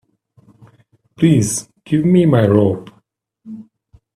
Please give me my robe.